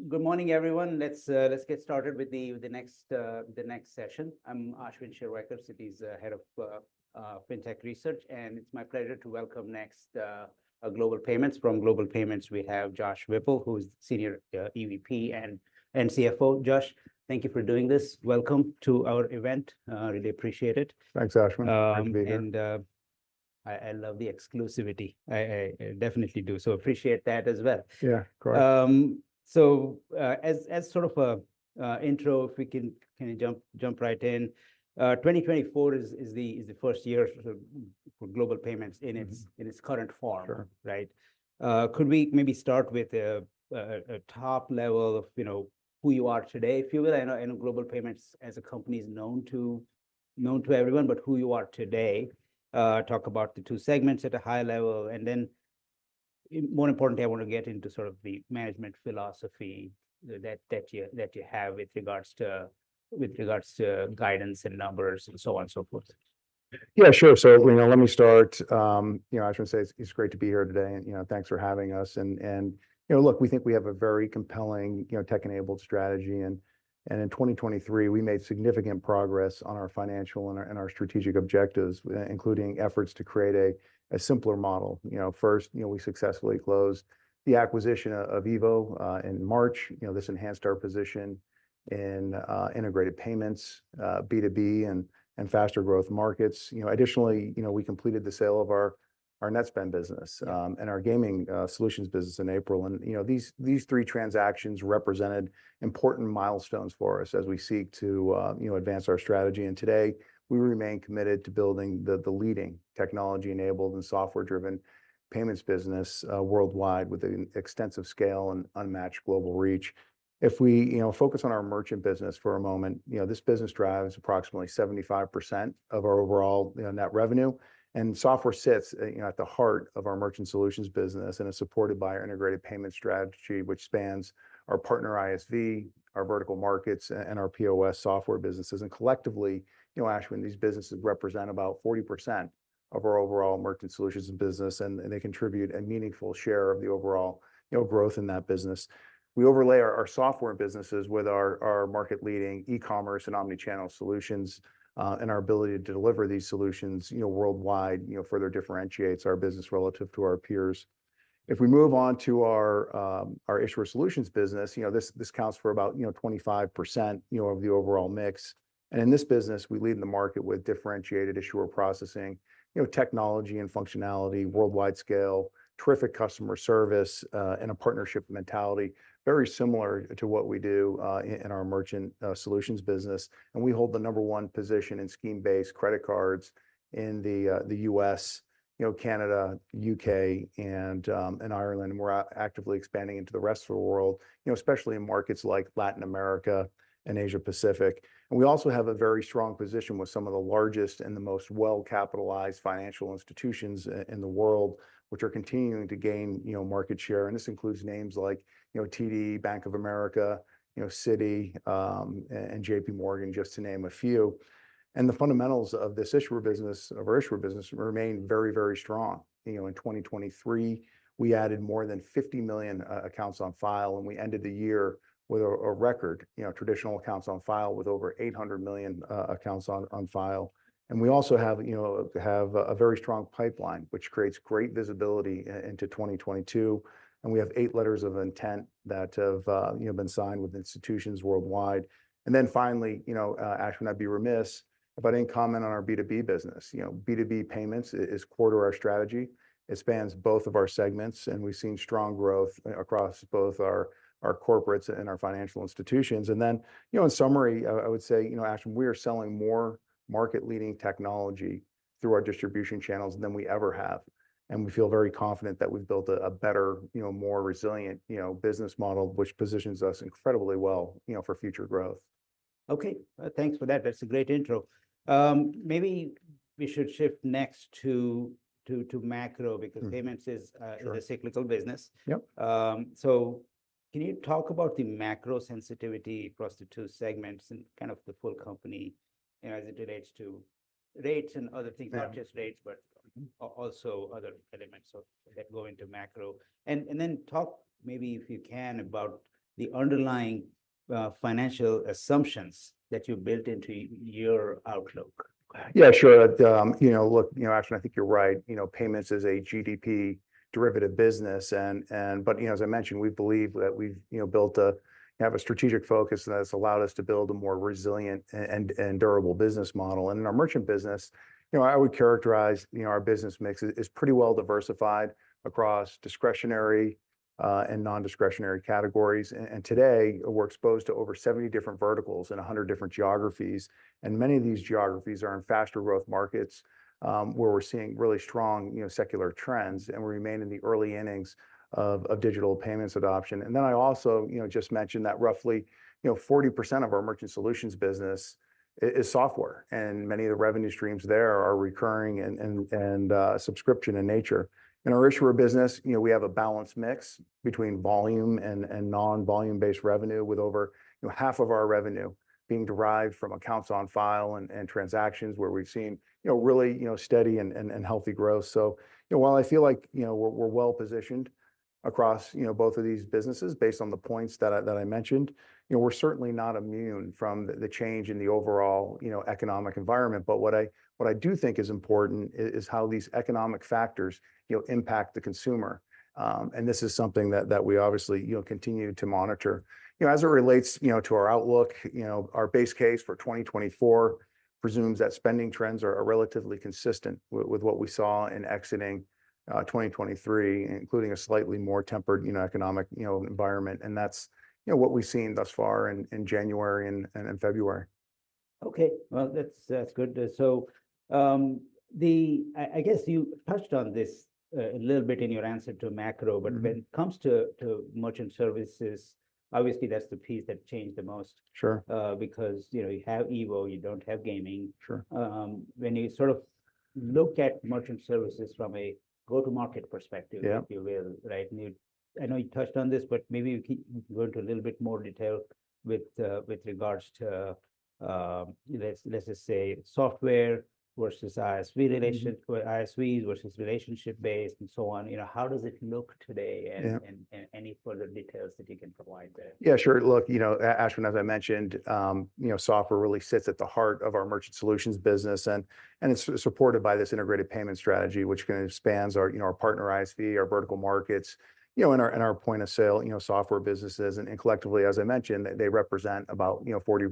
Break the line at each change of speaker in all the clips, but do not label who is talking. Well, good morning, everyone. Let's get started with the next session. I'm Ashwin Shirvaikar, Head of FinTech Research, and it's my pleasure to welcome next Global Payments. From Global Payments, we have Josh Whipple, who is the Senior EVP and CFO. Josh, thank you for doing this. Welcome to our event. Really appreciate it.
Thanks, Ashwin. Great to be here.
I love the exclusivity. I definitely do, so appreciate that as well.
Yeah, correct.
So, as sort of a intro, if we can, can you jump right in? 2024 is the first year for Global Payments in its current form.
Sure.
Right? Could we maybe start with a top level of, you know, who you are today, if you will? I know, I know Global Payments as a company is known to, known to everyone, but who you are today. Talk about the two segments at a high level, and then, more importantly, I want to get into sort of the management philosophy that, that you, that you have with regards to, with regards to guidance and numbers and so on and so forth.
Yeah, sure. So, you know, let me start. You know, I should say it's, it's great to be here today, and, you know, thanks for having us. And, and, you know, look, we think we have a very compelling, you know, tech-enabled strategy. And, and in 2023, we made significant progress on our financial and our, and our strategic objectives, including efforts to create a, a simpler model. You know, first, you know, we successfully closed the acquisition of EVO in March. You know, this enhanced our position in integrated payments, B2B, and, and faster growth markets. You know, additionally, you know, we completed the sale of our, our Netspend business, and our gaming solutions business in April. And, you know, these, these three transactions represented important milestones for us as we seek to, you know, advance our strategy. Today, we remain committed to building the leading technology-enabled and software-driven payments business worldwide with an extensive scale and unmatched global reach. If we, you know, focus on our merchant business for a moment, you know, this business drives approximately 75% of our overall, you know, net revenue. Software sits, you know, at the heart of our merchant solutions business, and it's supported by our integrated payment strategy, which spans our partner ISV, our vertical markets, and our POS software businesses. Collectively, you know, Ashwin, these businesses represent about 40% of our overall merchant solutions and business, and they contribute a meaningful share of the overall, you know, growth in that business. We overlay our software businesses with our market-leading e-commerce and omnichannel solutions. Our ability to deliver these solutions, you know, worldwide, you know, further differentiates our business relative to our peers. If we move on to our issuer solutions business, you know, this counts for about, you know, 25%, you know, of the overall mix. And in this business, we lead in the market with differentiated issuer processing, you know, technology and functionality, worldwide scale, terrific customer service, and a partnership mentality. Very similar to what we do in our merchant solutions business. And we hold the number one position in scheme-based credit cards in the U.S., you know, Canada, U.K., and Ireland. And we're actively expanding into the rest of the world, you know, especially in markets like Latin America and Asia Pacific. And we also have a very strong position with some of the largest and the most well-capitalized financial institutions in the world, which are continuing to gain, you know, market share. And this includes names like, you know, TD, Bank of America, you know, Citi, and JPMorgan, just to name a few. And the fundamentals of this issuer business, of our issuer business, remain very, very strong. You know, in 2023, we added more than 50 million accounts on file, and we ended the year with a record, you know, traditional accounts on file with over 800 million accounts on, on file. And we also have, you know, have a very strong pipeline, which creates great visibility into 2022. And we have eight letters of intent that have, you know, been signed with institutions worldwide. And then finally, you know, Ashwin, I'd be remiss if I didn't comment on our B2B business. You know, B2B payments is core to our strategy. It spans both of our segments, and we've seen strong growth across both our corporates and our financial institutions. And then, you know, in summary, I would say, you know, Ashwin, we are selling more market-leading technology through our distribution channels than we ever have. And we feel very confident that we've built a better, you know, more resilient, you know, business model, which positions us incredibly well, you know, for future growth.
Okay, thanks for that. That's a great intro. Maybe we should shift next to macro because payments is a cyclical business.
Yep.
Can you talk about the macro sensitivity across the two segments and kind of the full company? You know, as it relates to rates and other things, not just rates, but also other elements that go into macro. Then talk maybe if you can about the underlying, financial assumptions that you built into your outlook.
Yeah, sure. You know, look, you know, Ashwin, I think you're right. You know, payments is a GDP derivative business. And but, you know, as I mentioned, we believe that we've, you know, built a, have a strategic focus that's allowed us to build a more resilient and durable business model. And in our merchant business, you know, I would characterize, you know, our business mix is pretty well diversified across discretionary and non-discretionary categories. And today, we're exposed to over 70 different verticals in 100 different geographies. And many of these geographies are in faster growth markets, where we're seeing really strong, you know, secular trends, and we remain in the early innings of digital payments adoption. And then I also, you know, just mentioned that roughly, you know, 40% of our merchant solutions business is software, and many of the revenue streams there are recurring and subscription in nature. In our issuer business, you know, we have a balanced mix between volume and non-volume-based revenue, with over, you know, half of our revenue being derived from accounts on file and transactions where we've seen, you know, really, you know, steady and healthy growth. So, you know, while I feel like, you know, we're, we're well positioned across, you know, both of these businesses based on the points that I mentioned, you know, we're certainly not immune from the change in the overall, you know, economic environment. But what I do think is important is how these economic factors, you know, impact the consumer. This is something that we obviously, you know, continue to monitor. You know, as it relates, you know, to our outlook, you know, our base case for 2024 presumes that spending trends are relatively consistent with what we saw in exiting 2023, including a slightly more tempered, you know, economic, you know, environment. And that's, you know, what we've seen thus far in January and February.
Okay, well, that's good. So, I guess you touched on this a little bit in your answer to macro, but when it comes to merchant services, obviously that's the piece that changed the most.
Sure.
because, you know, you have EVO, you don't have gaming.
Sure.
When you sort of look at merchant services from a go-to-market perspective.
Yeah.
You will, right? And you, I know you touched on this, but maybe we keep going to a little bit more detail with regards to, let's just say software versus ISV relationship, ISVs versus relationship-based and so on. You know, how does it look today and any further details that you can provide there?
Yeah, sure. Look, you know, Ashwin, as I mentioned, you know, software really sits at the heart of our merchant solutions business, and, and it's supported by this integrated payment strategy, which kind of spans our, you know, our partner ISV, our vertical markets. You know, in our, in our point of sale, you know, software businesses, and, and collectively, as I mentioned, they, they represent about, you know, 40%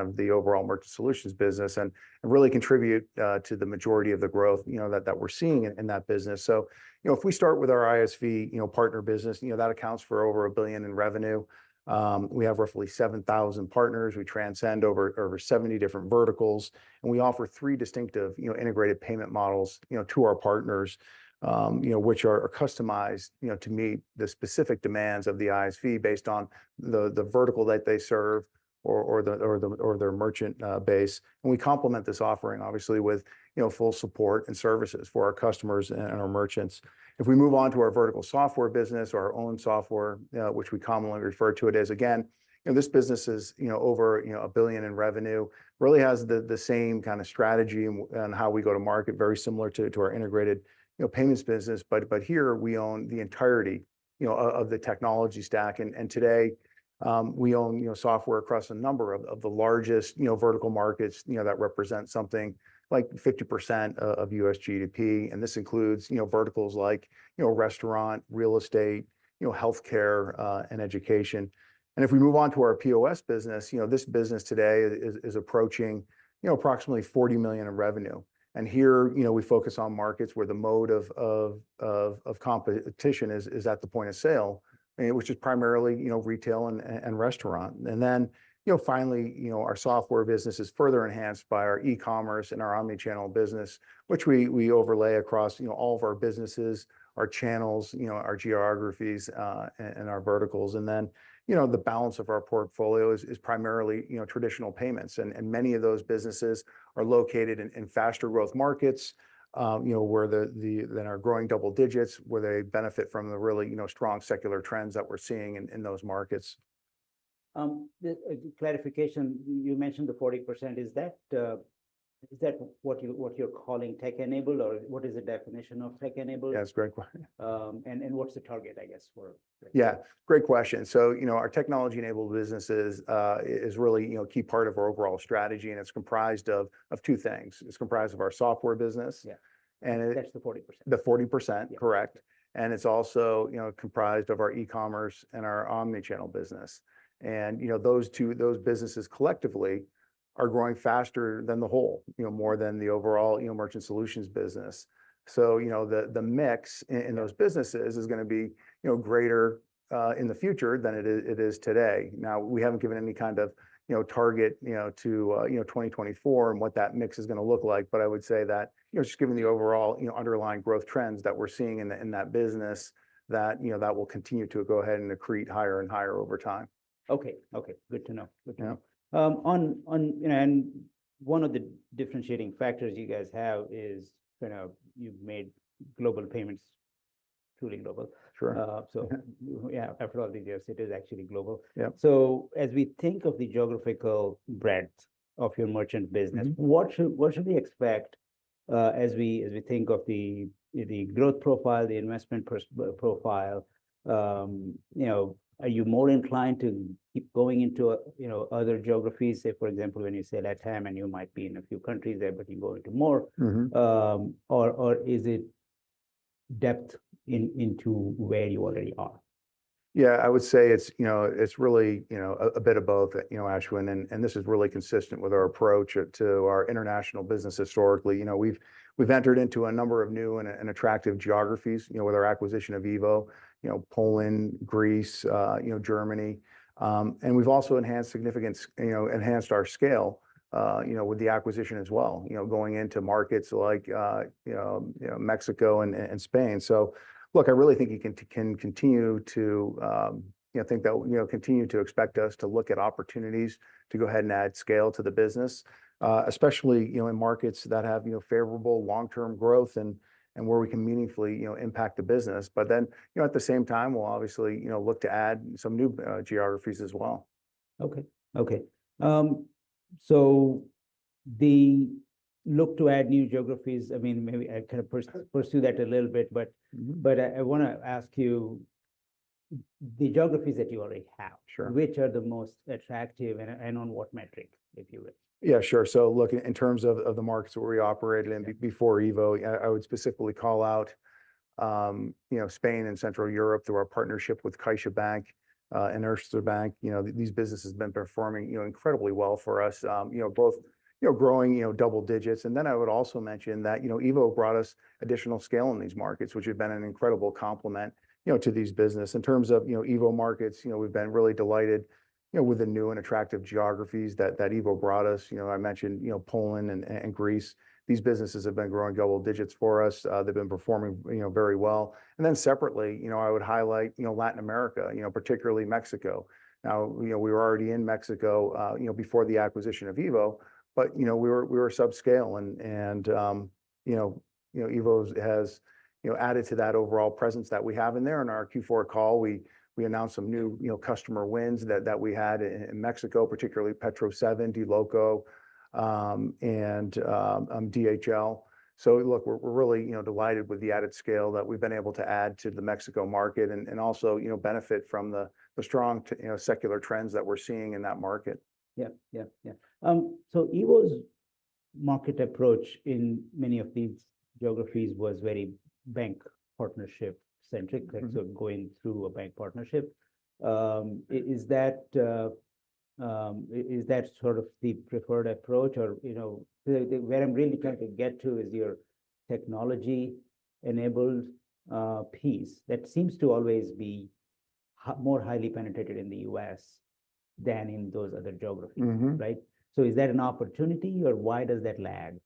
of the overall merchant solutions business and, and really contribute to the majority of the growth, you know, that, that we're seeing in, in that business. So, you know, if we start with our ISV, you know, partner business, you know, that accounts for over $1 billion in revenue. We have roughly 7,000 partners. We transcend over, over 70 different verticals. And we offer three distinctive, you know, integrated payment models, you know, to our partners. You know, which are customized, you know, to meet the specific demands of the ISV based on the vertical that they serve or their merchant base. We complement this offering, obviously, with you know full support and services for our customers and our merchants. If we move on to our vertical software business or our own software, which we commonly refer to it as, again, you know, this business is you know over $1 billion in revenue, really has the same kind of strategy and how we go to market, very similar to our integrated you know payments business. But here we own the entirety you know of the technology stack. Today, we own, you know, software across a number of the largest, you know, vertical markets, you know, that represent something like 50% of U.S. GDP. This includes, you know, verticals like, you know, restaurant, real estate, you know, healthcare, and education. If we move on to our POS business, you know, this business today is approaching, you know, approximately $40 million in revenue. Here, you know, we focus on markets where the mode of competition is at the point of sale, which is primarily, you know, retail and restaurant. Then, you know, finally, you know, our software business is further enhanced by our e-commerce and our omnichannel business, which we overlay across, you know, all of our businesses, our channels, you know, our geographies, and our verticals. And then, you know, the balance of our portfolio is primarily, you know, traditional payments. And many of those businesses are located in faster growth markets, you know, where they're growing double digits, where they benefit from the really, you know, strong secular trends that we're seeing in those markets.
The clarification, you mentioned the 40%, is that, is that what you, what you're calling tech-enabled, or what is the definition of tech-enabled?
Yeah, it's a great question.
And what's the target, I guess, for?
Yeah, great question. So, you know, our technology-enabled businesses is really, you know, a key part of our overall strategy, and it's comprised of two things. It's comprised of our software business.
Yeah. That's the 40%.
The 40%, correct. It's also, you know, comprised of our e-commerce and our omnichannel business. You know, those two, those businesses collectively are growing faster than the whole, you know, more than the overall, you know, merchant solutions business. The, the mix in, in those businesses is gonna be, you know, greater, in the future than it is, it is today. Now, we haven't given any kind of, you know, target, you know, to, you know, 2024 and what that mix is gonna look like. But I would say that, you know, just given the overall, you know, underlying growth trends that we're seeing in the, in that business, that, you know, that will continue to go ahead and accrete higher and higher over time.
Okay, okay, good to know. Good to know. You know, and one of the differentiating factors you guys have is kind of you've made Global Payments. Truly global.
Sure.
Yeah, after all these years, it is actually global.
Yeah.
So as we think of the geographical breadth of your merchant business, what should we expect? As we think of the growth profile, the investment profile, you know, are you more inclined to keep going into, you know, other geographies? Say, for example, when you say LatAm and you might be in a few countries there, but you go into more.
Mm-hmm.
Or is it depth into where you already are?
Yeah, I would say it's, you know, it's really, you know, a bit of both, you know, Ashwin, and this is really consistent with our approach to our international business historically. You know, we've entered into a number of new and attractive geographies, you know, with our acquisition of EVO, you know, Poland, Greece, you know, Germany. And we've also enhanced our scale, you know, with the acquisition as well, you know, going into markets like, you know, Mexico and Spain. So look, I really think you can continue to, you know, think that, you know, continue to expect us to look at opportunities to go ahead and add scale to the business, especially, you know, in markets that have, you know, favorable long-term growth and where we can meaningfully, you know, impact the business. But then, you know, at the same time, we'll obviously, you know, look to add some new geographies as well.
Okay, okay. So, to look to add new geographies, I mean, maybe I kind of pursue that a little bit, but, but I wanna ask you the geographies that you already have.
Sure.
Which are the most attractive and on what metric, if you will?
Yeah, sure. So look, in terms of, of the markets where we operated in before EVO, I would specifically call out, you know, Spain and Central Europe through our partnership with CaixaBank, and Erste Bank. You know, these businesses have been performing, you know, incredibly well for us, you know, both, you know, growing, you know, double digits. And then I would also mention that, you know, EVO brought us additional scale in these markets, which had been an incredible complement, you know, to these businesses in terms of, you know, EVO markets. You know, we've been really delighted, you know, with the new and attractive geographies that that EVO brought us. You know, I mentioned, you know, Poland and Greece. These businesses have been growing double digits for us. They've been performing, you know, very well. And then separately, you know, I would highlight, you know, Latin America, you know, particularly Mexico. Now, you know, we were already in Mexico, you know, before the acquisition of EVO. But, you know, we were subscale and, you know, EVO has, you know, added to that overall presence that we have in there. In our Q4 call, we announced some new, you know, customer wins that we had in Mexico, particularly Petro-7, D Loco, and DHL. So look, we're really, you know, delighted with the added scale that we've been able to add to the Mexico market and also, you know, benefit from the strong, you know, secular trends that we're seeing in that market.
Yeah, yeah, yeah. So EVO's market approach in many of these geographies was very bank partnership-centric, right? So going through a bank partnership. Is that, is that sort of the preferred approach or, you know, where I'm really trying to get to is your technology-enabled piece that seems to always be more highly penetrated in the U.S. than in those other geographies, right? So is that an opportunity or why does that lag?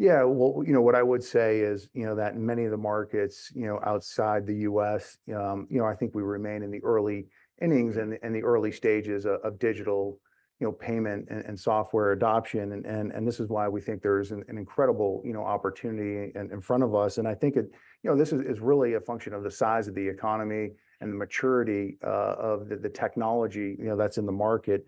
Yeah, well, you know, what I would say is, you know, that many of the markets, you know, outside the U.S., you know, I think we remain in the early innings and the early stages of digital, you know, payment and software adoption. And this is why we think there is an incredible, you know, opportunity in front of us. And I think it, you know, this is really a function of the size of the economy and the maturity of the technology, you know, that's in the market.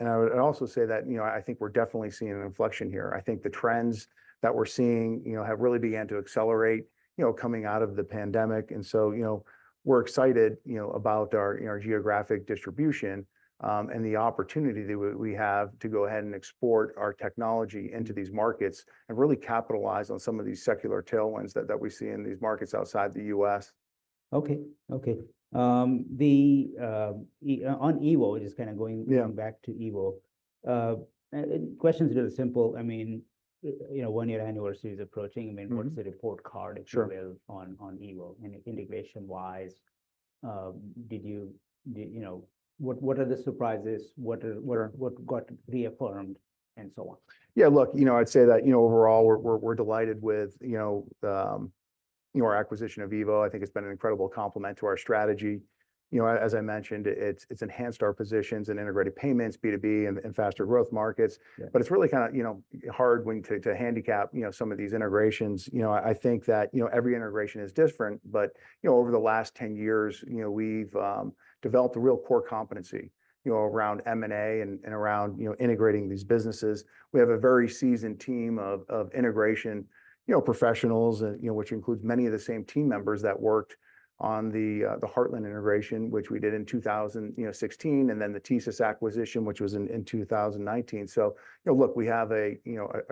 And I would, I'd also say that, you know, I think we're definitely seeing an inflection here. I think the trends that we're seeing, you know, have really began to accelerate, you know, coming out of the pandemic. So, you know, we're excited, you know, about our, you know, our geographic distribution, and the opportunity that we, we have to go ahead and export our technology into these markets and really capitalize on some of these secular tailwinds that, that we see in these markets outside the U.S.
Okay, okay. On EVO, it is kind of going back to EVO. Questions are really simple. I mean, you know, one-year anniversary is approaching. I mean, what's the report card if you will on, on EVO and integration-wise? Did you know, what are the surprises? What got reaffirmed? And so on.
Yeah, look, you know, I'd say that, you know, overall we're delighted with, you know, you know, our acquisition of EVO. I think it's been an incredible complement to our strategy. You know, as I mentioned, it's enhanced our positions in integrated payments, B2B, and faster growth markets. But it's really kind of, you know, hard to handicap, you know, some of these integrations. You know, I think that, you know, every integration is different, but, you know, over the last 10 years, you know, we've developed a real core competency, you know, around M&A and around, you know, integrating these businesses. We have a very seasoned team of integration, you know, professionals and, you know, which includes many of the same team members that worked on the Heartland integration, which we did in 2016, and then the TSYS acquisition, which was in 2019. So, you know, look, we have a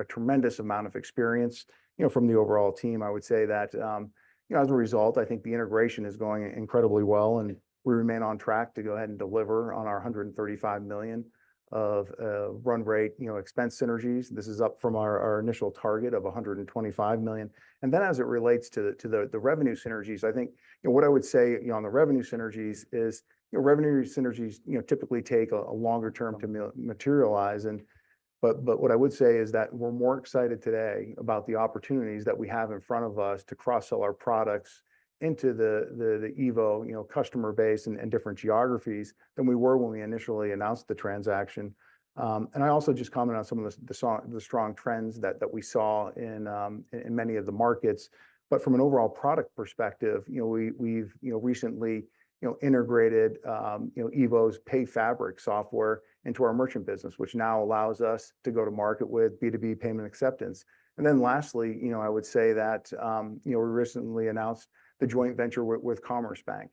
tremendous amount of experience, you know, from the overall team. I would say that, you know, as a result, I think the integration is going incredibly well and we remain on track to go ahead and deliver on our $135 million of run-rate, you know, expense synergies. This is up from our initial target of $125 million. And then as it relates to the revenue synergies, I think, you know, what I would say, you know, on the revenue synergies is, you know, revenue synergies, you know, typically take a longer term to materialize. But what I would say is that we're more excited today about the opportunities that we have in front of us to cross-sell our products into the EVO customer base and different geographies than we were when we initially announced the transaction. And I also just comment on some of the strong trends that we saw in many of the markets. But from an overall product perspective, you know, we've, you know, recently, you know, integrated, you know, EVO's PayFabric software into our merchant business, which now allows us to go to market with B2B payment acceptance. And then lastly, you know, I would say that, you know, we recently announced the joint venture with Commerzbank,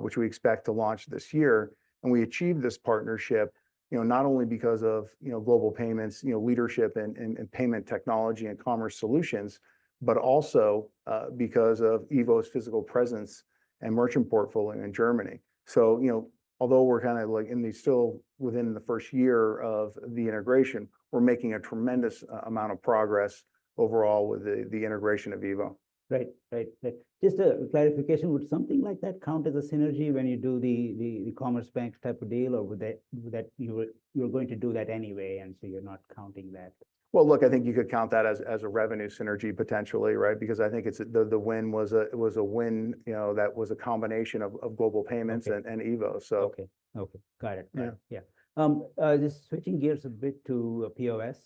which we expect to launch this year. And we achieved this partnership, you know, not only because of, you know, Global Payments, you know, leadership in payment technology and commerce solutions, but also because of EVO's physical presence and merchant portfolio in Germany. So, you know, although we're kind of like still within the first year of the integration, we're making a tremendous amount of progress overall with the integration of EVO.
Right, right, right. Just a clarification, would something like that count as a synergy when you do the Commerzbank type of deal or would that you were going to do that anyway and so you're not counting that?
Well, look, I think you could count that as a revenue synergy potentially, right? Because I think it's the win was a win, you know, that was a combination of Global Payments and EVO. So.
Okay, okay, got it, got it. Yeah. Just switching gears a bit to POS.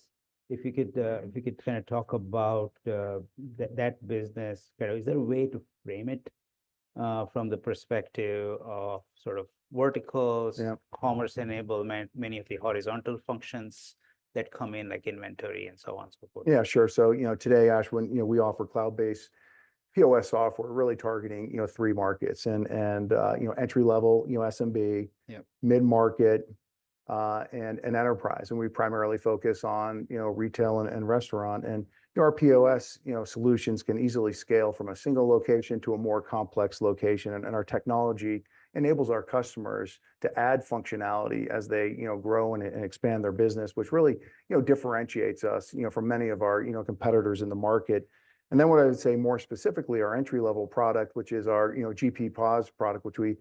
If you could, if you could kind of talk about that, that business, kind of is there a way to frame it from the perspective of sort of verticals, commerce enablement, many of the horizontal functions that come in like inventory and so on and so forth?
Yeah, sure. So, you know, today, Ashwin, you know, we offer cloud-based POS software really targeting three markets and entry-level SMB, mid-market, and enterprise. And we primarily focus on you know, retail and restaurant. And, you know, our POS solutions can easily scale from a single location to a more complex location. And our technology enables our customers to add functionality as they, you know, grow and expand their business, which really, you know, differentiates us, you know, from many of our, you know, competitors in the market. And then what I would say more specifically, our entry-level product, which is our, you know, GP POS product, which we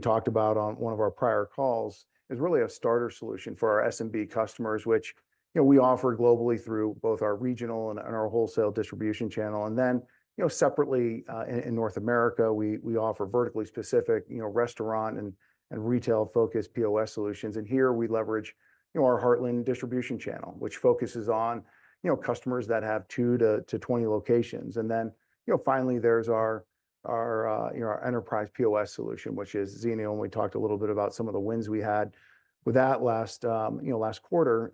talked about on one of our prior calls, is really a starter solution for our SMB customers, which, you know, we offer globally through both our regional and our wholesale distribution channel. And then, you know, separately, in North America, we offer vertically specific, you know, restaurant and retail-focused POS solutions. And here we leverage, you know, our Heartland distribution channel, which focuses on, you know, customers that have two to 20 locations. And then, you know, finally there's our enterprise POS solution, which is Xenial. And we talked a little bit about some of the wins we had with that last, you know, last quarter.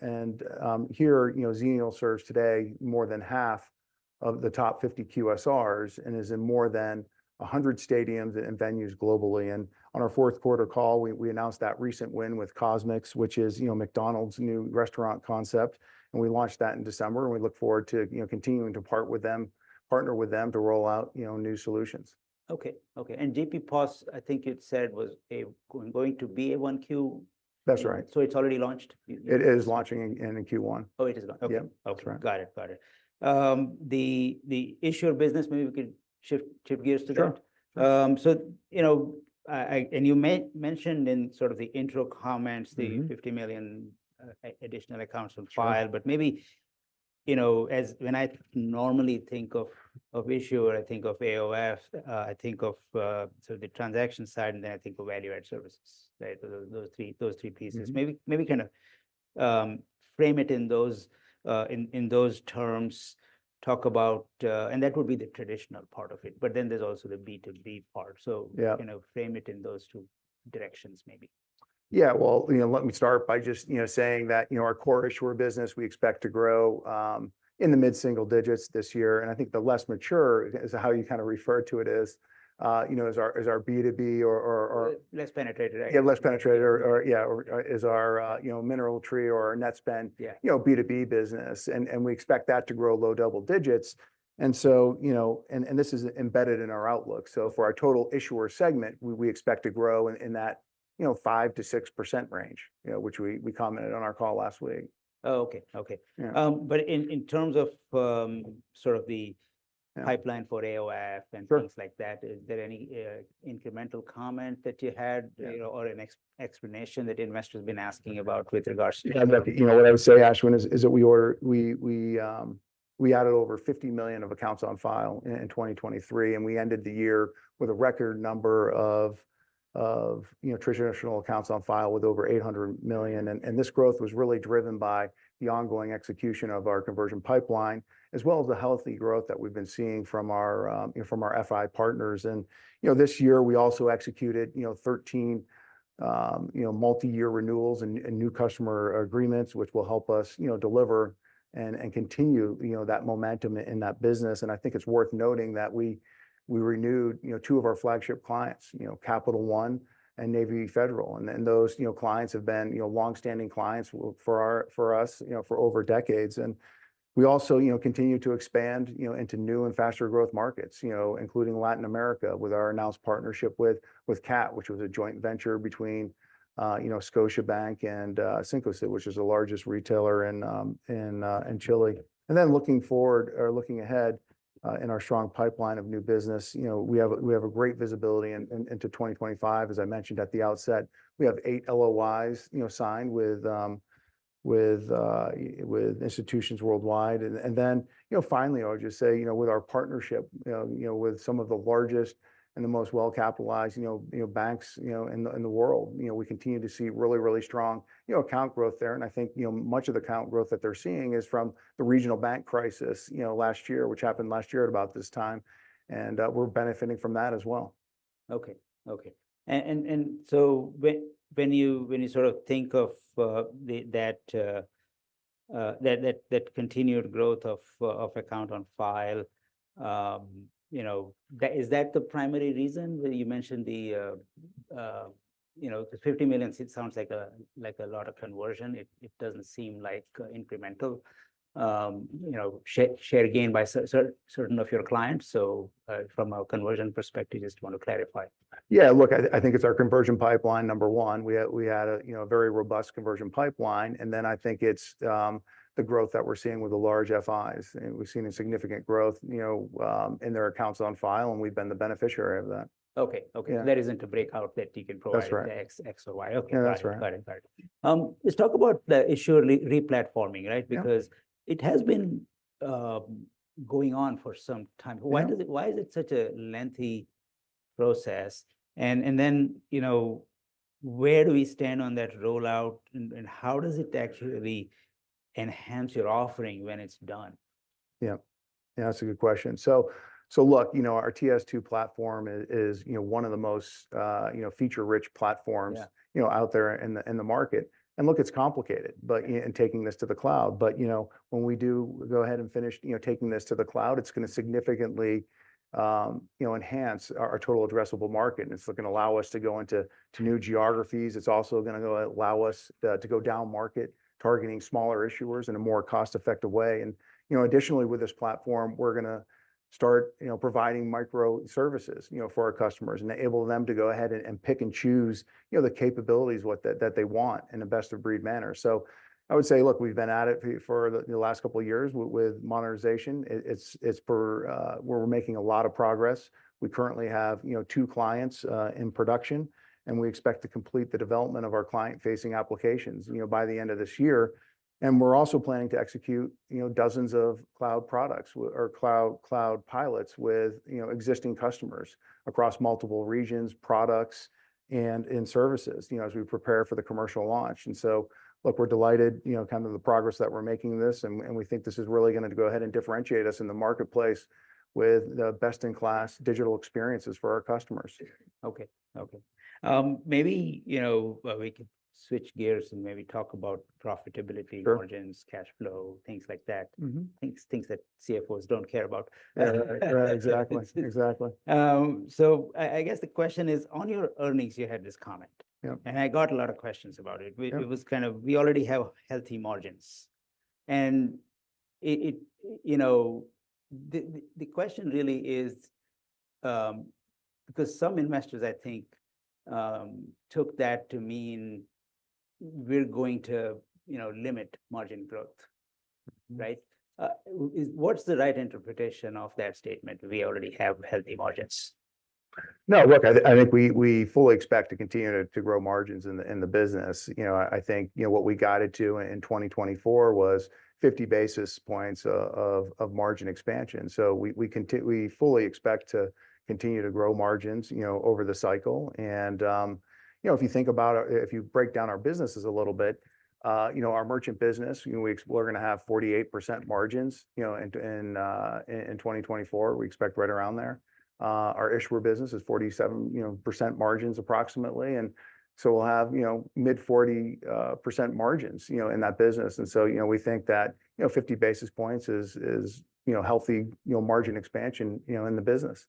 Here, you know, Xenial serves today more than half of the top 50 QSRs and is in more than 100 stadiums and venues globally. On our fourth quarter call, we announced that recent win with CosMc's, which is, you know, McDonald's new restaurant concept. We launched that in December and we look forward to, you know, continuing to part with them, partner with them to roll out, you know, new solutions.
Okay, okay. GP POS, I think you'd said was going to be a 1Q.
That's right.
It's already launched.
It is launching in Q1.
Oh, it is going. Okay.
Yeah.
Okay, got it. The issue of business, maybe we could shift gears to that.
Sure.
So, you know, I and you may have mentioned in sort of the intro comments, the 50 million additional accounts on file, but maybe, you know, as when I normally think of issuer, or I think of AOF, I think of sort of the transaction side and then I think of value-added services, right? Those three pieces, maybe kind of frame it in those terms. Talk about, and that would be the traditional part of it, but then there's also the B2B part. So, you know, frame it in those two directions maybe.
Yeah, well, you know, let me start by just, you know, saying that, you know, our core issuer business, we expect to grow in the mid-single digits this year. And I think the less mature is how you kind of refer to it as, you know, as our, as our B2B or.
Less penetrated, right?
Yeah, less penetrated or is our MineralTree or our Netspend, you know, B2B business. And we expect that to grow low double digits. And so, you know, and this is embedded in our outlook. So for our total issuer segment, we expect to grow in that, you know, 5% to 6% range, you know, which we commented on our call last week.
Oh, okay, okay. But in terms of, sort of, the pipeline for AOF and things like that, is there any incremental comment that you had, you know, or an explanation that investors have been asking about with regards to?
You know, what I would say, Ashwin, is that we added over 50 million accounts on file in 2023, and we ended the year with a record number of you know traditional accounts on file with over 800 million. This growth was really driven by the ongoing execution of our conversion pipeline, as well as the healthy growth that we've been seeing from our you know FI partners. You know, this year we also executed you know 13 multi-year renewals and new customer agreements, which will help us you know deliver and continue you know that momentum in that business. I think it's worth noting that we renewed you know two of our flagship clients, you know, Capital One and Navy Federal. And those, you know, clients have been, you know, longstanding clients for us, you know, for over decades. And we also, you know, continue to expand, you know, into new and faster growth markets, you know, including Latin America with our announced partnership with CAT, which was a joint venture between, you know, Scotiabank and Cencosud, which is the largest retailer in Chile. And then looking forward or looking ahead, in our strong pipeline of new business, you know, we have great visibility into 2025. As I mentioned at the outset, we have eight LOIs, you know, signed with institutions worldwide. And then, you know, finally, I would just say, you know, with our partnership, you know, with some of the largest and the most well-capitalized, you know, banks, you know, in the world, you know, we continue to see really, really strong, you know, account growth there. And I think, you know, much of the account growth that they're seeing is from the regional bank crisis, you know, last year, which happened last year at about this time. And we're benefiting from that as well.
Okay, okay. And so when you sort of think of that continued growth of account on file, you know, is that the primary reason you mentioned, you know, because 50 million sounds like a like a lot of conversion. It doesn't seem like incremental, you know, share gain by certain of your clients. So from our conversion perspective, just want to clarify.
Yeah, look, I think it's our conversion pipeline number one. We had a, you know, a very robust conversion pipeline. And then I think it's the growth that we're seeing with the large FIs. We've seen a significant growth, you know, in their accounts on file, and we've been the beneficiary of that.
Okay, okay. That isn't a breakout that you can provide the X, X, or Y. Okay, got it. Got it, got it. Let's talk about the issue re-platforming, right? Because it has been going on for some time. Why does it, why is it such a lengthy process? And then, you know, where do we stand on that rollout and how does it actually enhance your offering when it's done?
Yeah. Yeah, that's a good question. So look, you know, our TS2 platform is, you know, one of the most, you know, feature-rich platforms, you know, out there in the market. And look, it's complicated, but taking this to the cloud. But, you know, when we do go ahead and finish, you know, taking this to the cloud, it's going to significantly, you know, enhance our total addressable market. And it's looking to allow us to go into new geographies. It's also going to allow us to go down market targeting smaller issuers in a more cost-effective way. You know, additionally with this platform, we're going to start, you know, providing microservices, you know, for our customers and enable them to go ahead and pick and choose, you know, the capabilities that they want in the best of breed manner. So I would say, look, we've been at it for the last couple of years with monetization. It's where we're making a lot of progress. We currently have, you know, two clients in production. And we're also planning to execute, you know, dozens of cloud products or cloud pilots with, you know, existing customers across multiple regions, products, and services, you know, as we prepare for the commercial launch. So, look, we're delighted, you know, kind of the progress that we're making this. And we think this is really going to go ahead and differentiate us in the marketplace with the best-in-class digital experiences for our customers.
Okay, okay. Maybe, you know, we could switch gears and maybe talk about profitability, margins, cash flow, things like that. Things that CFOs don't care about.
Exactly, exactly.
So, I guess the question is on your earnings. You had this comment. Yeah, and I got a lot of questions about it. It was kind of "we already have healthy margins." And it, you know, the question really is, because some investors, I think, took that to mean we're going to, you know, limit margin growth. Right? Is what's the right interpretation of that statement? "We already have healthy margins.
No, look, I think we fully expect to continue to grow margins in the business. You know, I think, you know, what we got it to in 2024 was 50 basis points of margin expansion. So we fully expect to continue to grow margins, you know, over the cycle. And, you know, if you think about it, if you break down our businesses a little bit, you know, our merchant business, you know, we're going to have 48% margins, you know, in 2024, we expect right around there. Our issuer business is 47% margins approximately. And so we'll have, you know, mid 40% margins, you know, in that business. And so, you know, we think that, you know, 50 basis points is healthy, you know, margin expansion, you know, in the business.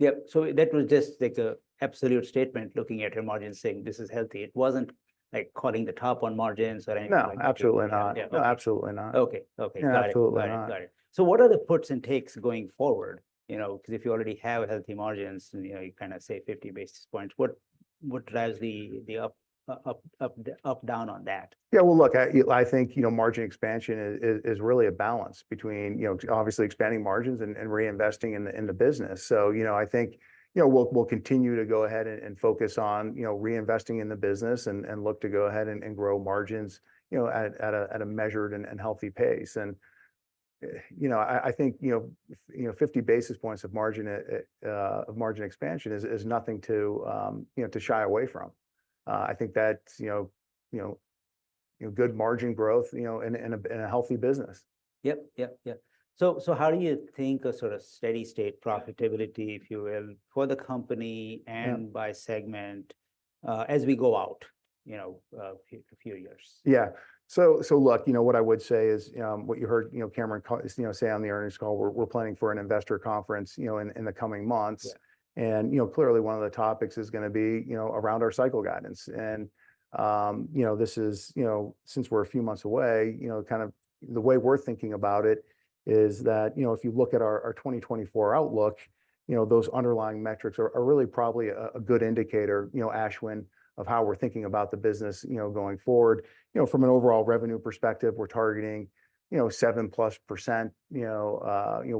Yep. So that was just like an absolute statement looking at your margin saying this is healthy. It wasn't like calling the top on margins or anything like that.
No, absolutely not. No, absolutely not.
Okay, okay. Got it. Got it. Got it. So what are the puts and takes going forward? You know, because if you already have healthy margins and you know, you kind of say 50 basis points, what drives the up, up, up, up, down on that?
Yeah, well, look, I think you know margin expansion is really a balance between you know obviously expanding margins and reinvesting in the business. So you know I think you know we'll continue to go ahead and focus on you know reinvesting in the business and look to go ahead and grow margins you know at a measured and healthy pace. And you know I think you know 50 basis points of margin expansion is nothing to you know to shy away from. I think that's you know good margin growth you know in a healthy business.
Yep, yep, yep. So how do you think a sort of steady state profitability, if you will, for the company and by segment, as we go out? You know, a few years.
Yeah. So look, you know, what I would say is, what you heard, you know, Cameron is, you know, say on the earnings call, we're planning for an investor conference, you know, in the coming months. And, you know, clearly one of the topics is going to be, you know, around our cycle guidance. And, you know, this is, you know, since we're a few months away, you know, kind of the way we're thinking about it is that, you know, if you look at our 2024 outlook, you know, those underlying metrics are really probably a good indicator, you know, Ashwin, of how we're thinking about the business, you know, going forward. You know, from an overall revenue perspective, we're targeting, you know, 7%+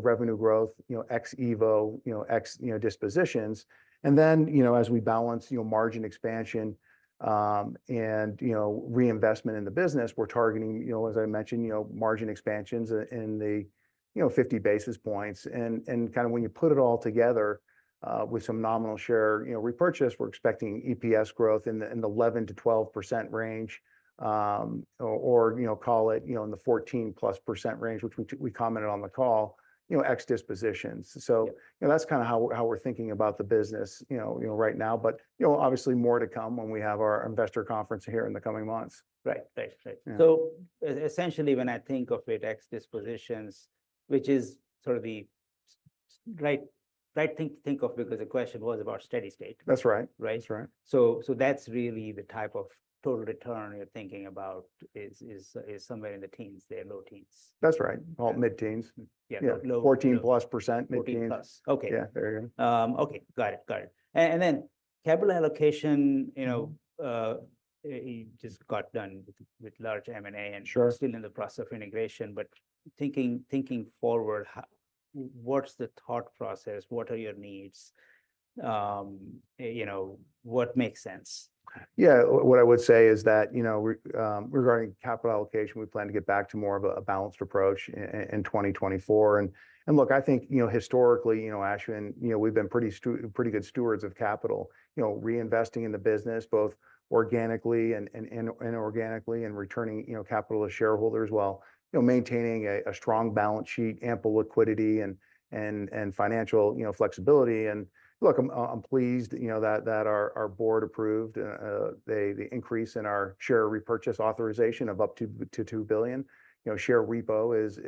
revenue growth, you know, ex EVO, you know, ex dispositions. And then, you know, as we balance, you know, margin expansion, and, you know, reinvestment in the business, we're targeting, you know, as I mentioned, you know, margin expansions in the, you know, 50 basis points and kind of when you put it all together, with some nominal share, you know, repurchase, we're expecting EPS growth in the, in the 11% to 12% range, or, you know, call it, you know, in the 14%+ range, which we, we commented on the call. You know, ex dispositions. So, you know, that's kind of how we're thinking about the business, you know, you know, right now, but, you know, obviously more to come when we have our investor conference here in the coming months.
Right. Thanks. So essentially when I think of it, ex dispositions, which is sort of the right, right thing to think of because the question was about steady state.
That's right. Right. That's right.
That's really the type of total return you're thinking about is somewhere in the teens there, low teens.
That's right. All mid-teens. Yeah, low 14%+, mid-teens. Okay. Yeah, there you go.
Okay, got it, got it. And then capital allocation, you know, he just got done with large M&A and still in the process of integration, but thinking forward, what's the thought process? What are your needs? You know, what makes sense?
Yeah, what I would say is that, you know, we're, regarding capital allocation, we plan to get back to more of a balanced approach in 2024. And look, I think, you know, historically, you know, Ashwin, you know, we've been pretty good stewards of capital, you know, reinvesting in the business, both organically and returning, you know, capital to shareholders while, you know, maintaining a strong balance sheet, ample liquidity and financial, you know, flexibility. And look, I'm pleased, you know, that our board approved the increase in our share repurchase authorization of up to $2 billion. You know, share repo is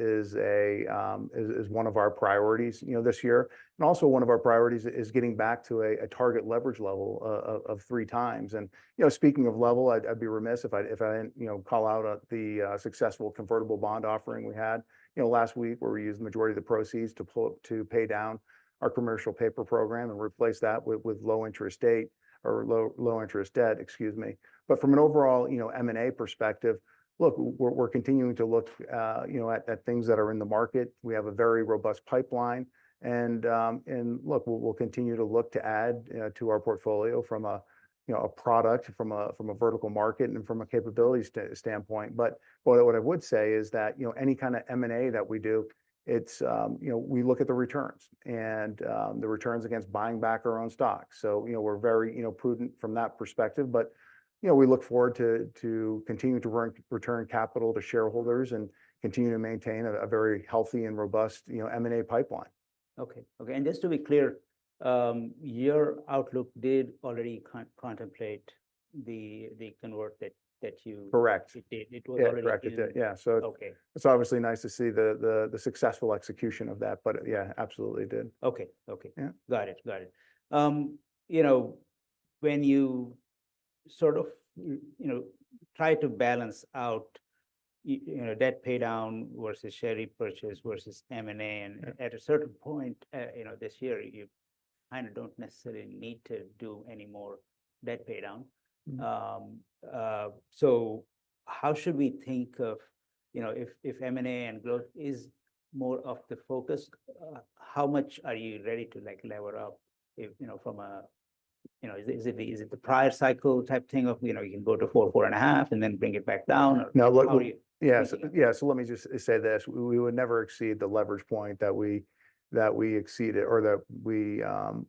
one of our priorities this year. And also one of our priorities is getting back to a target leverage level of 3x. You know, speaking of level, I'd be remiss if I, you know, call out the successful convertible bond offering we had, you know, last week where we used the majority of the proceeds to pay down our commercial paper program and replace that with low interest debt, excuse me. But from an overall, you know, M&A perspective, look, we're continuing to look, you know, at things that are in the market. We have a very robust pipeline. And look, we'll continue to look to add to our portfolio from a, you know, product, from a vertical market and from a capability standpoint. But what I would say is that, you know, any kind of M&A that we do, it's, you know, we look at the returns and the returns against buying back our own stocks. So, you know, we're very, you know, prudent from that perspective, but, you know, we look forward to continue to return capital to shareholders and continue to maintain a very healthy and robust, you know, M&A pipeline.
Okay, okay. And just to be clear, your outlook did already contemplate the convert that you did. It was already corrected.
Yeah. So it's obviously nice to see the successful execution of that, but yeah, absolutely did.
Okay, okay. Yeah, got it, got it. You know, when you sort of, you know, try to balance out, you know, debt paydown versus share repurchase versus M&A and at a certain point, you know, this year you kind of don't necessarily need to do any more debt paydown. So how should we think of, you know, if, if M&A and growth is more of the focus, how much are you ready to like lever up if, you know, from a, you know, is it, is it the, is it the prior cycle type thing of, you know, you can go to 4, 4.5 and then bring it back down?
Now look, yes. Yeah, so let me just say this. We would never exceed the leverage point that we, that we exceeded or that we,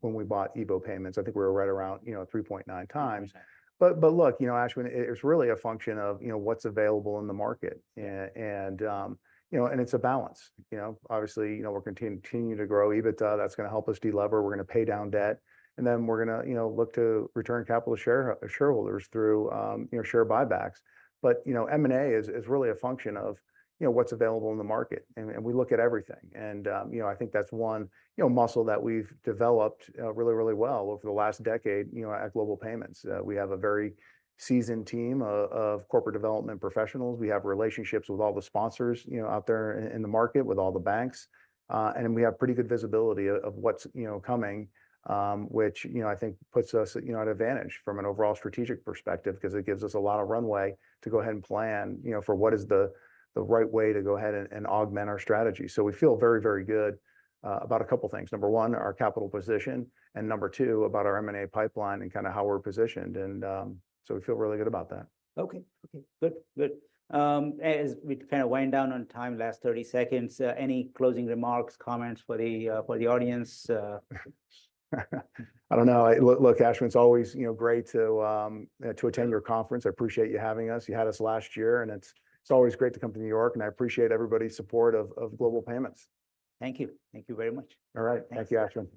when we bought EVO Payments, I think we were right around, you know, 3.9x. But, but look, you know, Ashwin, it was really a function of, you know, what's available in the market. And, and, you know, and it's a balance. You know, obviously, you know, we're continuing to grow EBITDA, that's going to help us deliver, we're going to pay down debt. And then we're going to, you know, look to return capital to shareholders through, you know, share buybacks. But, you know, M&A is, is really a function of, you know, what's available in the market. And, and we look at everything. And, you know, I think that's one, you know, muscle that we've developed, really, really well over the last decade, you know, at Global Payments. We have a very seasoned team of corporate development professionals. We have relationships with all the sponsors, you know, out there in the market with all the banks. And then we have pretty good visibility of what's, you know, coming. Which, you know, I think puts us, you know, at an advantage from an overall strategic perspective because it gives us a lot of runway to go ahead and plan, you know, for what is the right way to go ahead and augment our strategy. So we feel very, very good about a couple of things. Number one, our capital position. And number two, about our M&A pipeline and kind of how we're positioned. We feel really good about that.
Okay, okay. Good, good. As we kind of wind down on time, last 30 seconds, any closing remarks, comments for the, for the audience?
I don't know. I, look, Ashwin, it's always, you know, great to, to attend your conference. I appreciate you having us. You had us last year and it's, it's always great to come to New York and I appreciate everybody's support of, of Global Payments.
Thank you. Thank you very much.
All right. Thank you, Ashwin.